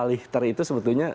skala lichter itu sebetulnya